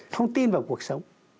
không tin vào cuộc sống